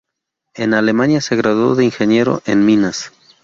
En Alemania se graduó de ingeniero en minas.